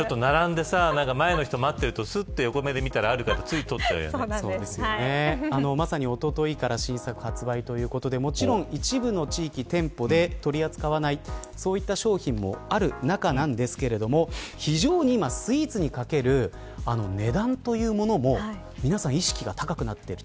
ちょっと並んで前の人を待っていると、横目で見たらまさに、おとといから新作発売ということでもちろん一部の地域店舗で、取り扱わないそういった商品もある中なんですが非常に今スイーツにかける値段というものも皆さん意識が高くなっている。